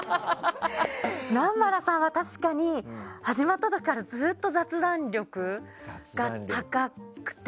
南原さんは確かに始まった時からずっと雑談力が高くて。